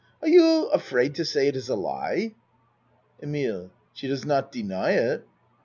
Are you afraid to say it is a lie? EMILE She does not deny it.